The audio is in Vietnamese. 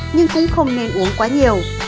nhưng cũng không nên uống quá nhiều